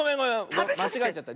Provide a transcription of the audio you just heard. まちがえちゃった。